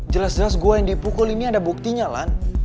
jelas jelas gue yang dipukul ini ada buktinya lan